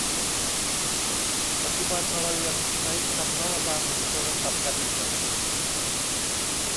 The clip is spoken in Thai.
ปัจจุบันเรายังใช้คำว่าวางหูโทรศัพท์กันอีกไหม